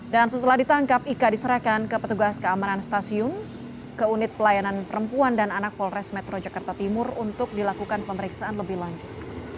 dan setelah ditangkap ika diserahkan ke petugas keamanan stasiun ke unit pelayanan perempuan dan anak polres metro jakarta timur untuk dilakukan pemeriksaan lebih lanjut